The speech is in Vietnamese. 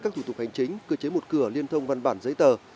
các thủ tục hành chính cơ chế một cửa liên thông văn bản giấy tờ